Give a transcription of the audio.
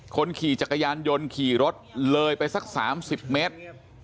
คนขี่จักรยานยนต์ขี่รถเลยไปสัก๓๐เมตร